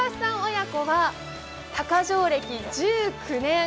親子は鷹匠歴１９年。